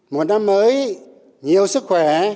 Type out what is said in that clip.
một năm mới nhiều sức khỏe